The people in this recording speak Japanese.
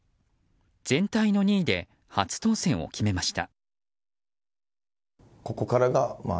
全体の２位で初当選を決めました。